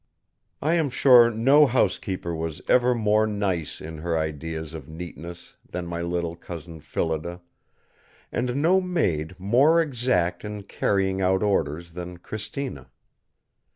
I am sure no housekeeper was ever more nice in her ideas of neatness than my little Cousin Phillida, and no maid more exact in carrying out orders than Cristina.